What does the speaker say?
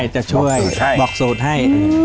จะช่วยบอกสูตรให้